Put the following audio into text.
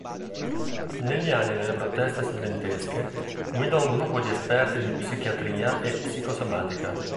Negli anni delle proteste studentesche guidò un gruppo di esperti di psichiatria e psicosomatica.